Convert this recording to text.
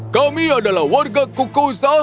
kami adalah warga kokohza